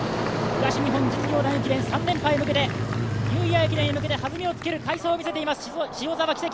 東日本実業団駅伝、３連覇へ向けてニューイヤー駅伝へ向けて弾みをつける快走を見せています。